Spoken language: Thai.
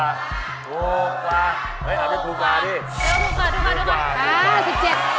เห้ยอันนี้หูกปลาดิ